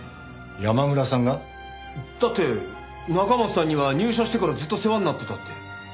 山村さんが？だって中松さんには入社してからずっと世話になってたって。